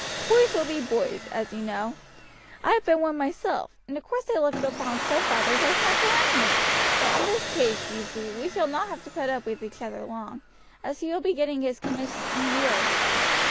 Boys will be boys, you know; I have been one myself, and of course they look upon stepfathers as natural enemies; but in this case, you see, we shall not have to put up with each other long, as he will be getting his commission in a year or so.